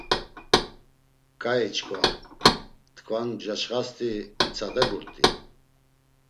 K̆ai çkva. Tkvan mjaçxasti itsadeburti?